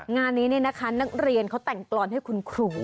งานนี้นะคะนักเรียนเขาแต่งกรอนให้คุณครู